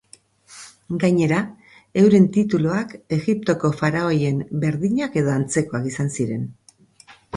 Gainera, euren tituluak, Egiptoko faraoien berdinak edo antzekoak izan ziren.